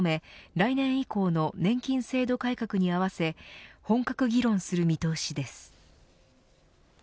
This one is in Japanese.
来年以降の年金制度改革に合わせ本格議論する見通しです。